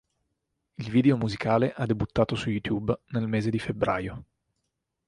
Il video musicale ha debuttato su YouTube nel mese di febbraio.